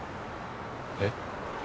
えっ？